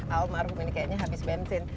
almarhum ini kayaknya habis bensin